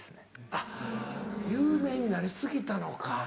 あっ有名になり過ぎたのか。